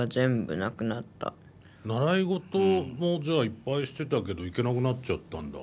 習い事もじゃあいっぱいしてたけど行けなくなっちゃったんだ。